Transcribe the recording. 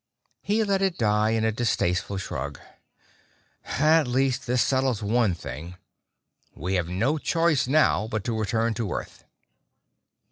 He let it die in a distasteful shrug. "At least this settles one thing. We have no choice now but to return to Earth!"